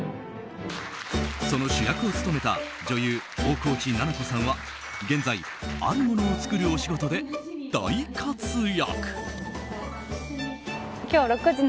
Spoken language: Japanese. その主役を務めた女優大河内奈々子さんは現在、あるものを作るお仕事で大活躍。